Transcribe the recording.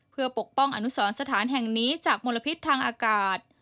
เพื่อปกป้องอนุสรสถานแห่งนี้จากมลพิษทางอากาศ